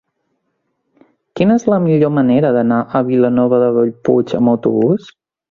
Quina és la millor manera d'anar a Vilanova de Bellpuig amb autobús?